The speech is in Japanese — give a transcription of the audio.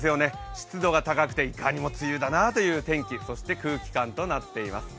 湿度が高くて、いかにも梅雨だなという感じそして空気感となっています。